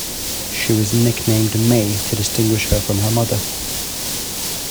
She was nicknamed 'May' to distinguish her from her mother.